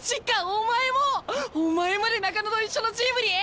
お前もお前まで中野と一緒のチームに！？